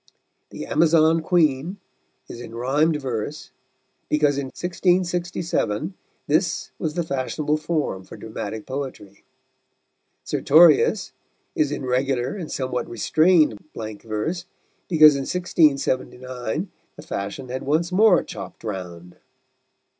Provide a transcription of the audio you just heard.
The Amazon Queen is in rhymed verse, because in 1667 this was the fashionable form for dramatic poetry; Sertorius is in regular and somewhat restrained blank verse, because in 1679 the fashion had once more chopped round.